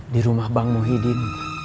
dirumah bang muhyiddin